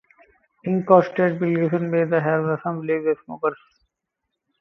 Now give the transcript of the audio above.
In contrast, varenicline may help some relapsed smokers.